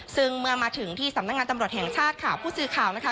ซึ่งเมื่อมาถึงที่สำนักงานตำรวจแห่งชาติค่ะผู้สื่อข่าวนะคะ